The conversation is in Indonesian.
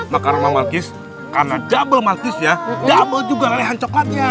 makanan malkis karena double malkis ya double juga lelehan coklatnya